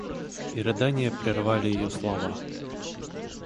И рыдания перервали ее слова.